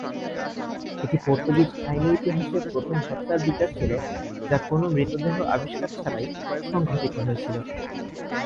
এটি পর্তুগিজ আইনী ইতিহাসে প্রথম হত্যার বিচার ছিল যা কোনও মৃতদেহ আবিষ্কার ছাড়াই সংঘটিত হয়েছিল।